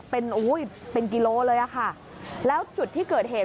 เป็นกิโลเลยค่ะแล้วจุดที่เกิดเหตุ